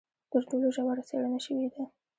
تر ټولو ژوره څېړنه شوې ده.